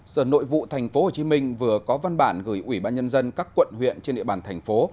sở nội vụ tp hcm vừa có văn bản gửi ủy ban nhân dân các quận huyện trên địa bàn thành phố